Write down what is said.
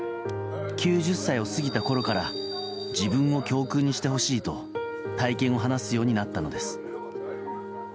９０歳を過ぎたころから自分を教訓にしてほしいと体験を話すようになったのです。